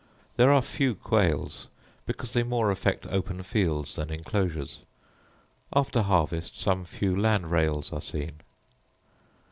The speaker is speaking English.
There are few quails, because they more affect open fields than enclosures; after harvest some few landrails are seen.